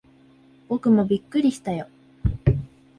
僕もびっくりしたよ。